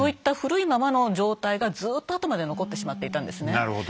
なるほど。